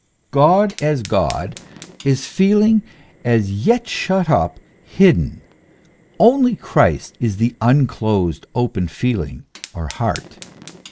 143 God as God is feeling as yet shut up, hidden; only Christ is the unclosed, open feeling or heart.